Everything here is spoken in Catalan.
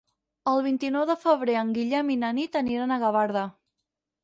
El vint-i-nou de febrer en Guillem i na Nit aniran a Gavarda.